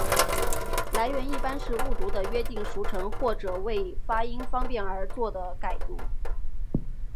来源一般是误读的约定俗成或者为发音方便而作的改读。